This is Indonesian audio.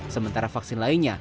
sementara vaksin lainnya